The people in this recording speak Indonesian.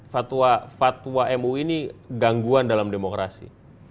fatwa mu ini gangguan dalam demokrasi